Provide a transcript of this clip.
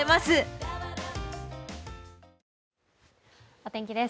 お天気です。